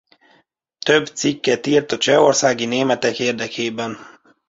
Több cikket írt a csehországi németek érdekében.